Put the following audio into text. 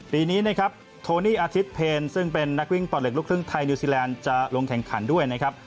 ปีนี้นะครับโทนี่อาทิตย์เพลซึ่งเป็นนักวิ่งปอดเหล็กลูกครึ่งไทยนิวซีแลนด์จะลงแข่งขันด้วยนะครับ